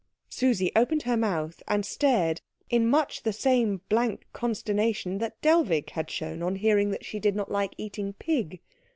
Susie opened her mouth and stared in much the same blank consternation that Dellwig had shown on hearing that she did not like eating pig.